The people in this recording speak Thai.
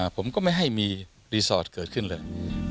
ผมก็ไม่ให้มีรีสอร์ทเกิดขึ้นเลย